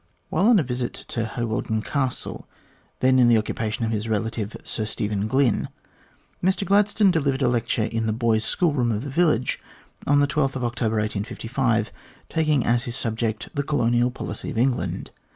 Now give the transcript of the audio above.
While on a visit to Hawarden Castle, then in the occupa tion of his relative, Sir Stephen Glynne, Mr Gladstone delivered a lecture in the boys' schoolroom of the village, on October 12, 1855, taking as his subject, " The Colonial Policy of England."